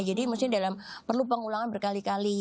jadi mungkin dalam perlu pengulangan berkali kali